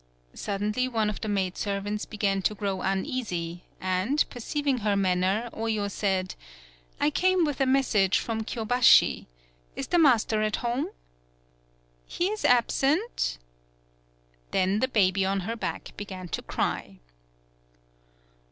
Suddenly one of the maidservants be gan to grow uneasy, and, perceiving her manner, Oyo said: "I came with a message from Kyo bashi. Is the master at home?" "He is absent." Then the baby on her back began to cry.